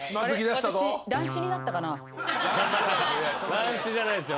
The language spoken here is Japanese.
乱視じゃないですよ。